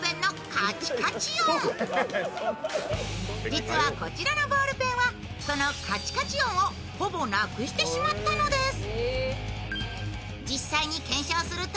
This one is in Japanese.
実はこちらのボールペンはそのカチカチ音をほぼなくしてしまったのです。